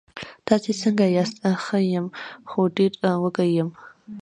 تاسې څنګه یاست؟ ښه یم، خو ډېر وږی یم.